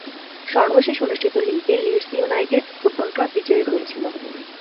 সর্বশেষ অনুষ্ঠিত লীগে লিডস ইউনাইটেড ফুটবল ক্লাব বিজয়ী হয়েছিল।